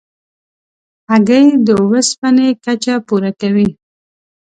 هګۍ د اوسپنې کچه پوره کوي.